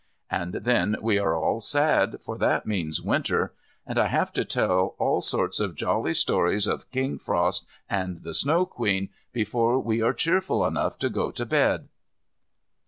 And then we are all sad, for that means Winter. And I have to tell all sorts of jolly stories of King Frost and the Snow Queen before we are cheerful enough to go to bed.